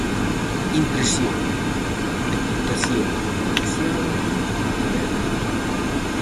Impresión: Deputación Provincial de Pontevedra.